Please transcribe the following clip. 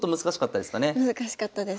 難しかったですね。